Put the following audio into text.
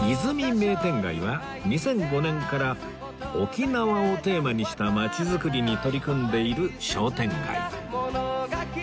和泉明店街は２００５年から沖縄をテーマにした街づくりに取り組んでいる商店街